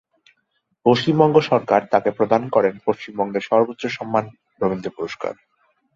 পশ্চিমবঙ্গ সরকার তাকে প্রদান করেন পশ্চিমবঙ্গের সর্বোচ্চ সম্মান রবীন্দ্র পুরস্কার।